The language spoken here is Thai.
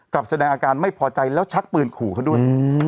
แสดงอาการไม่พอใจแล้วชักปืนขู่เขาด้วย